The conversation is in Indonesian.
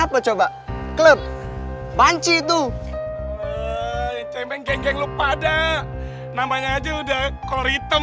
apa coba klub banci itu cemeng geng geng lupa ada namanya aja udah kolor hitam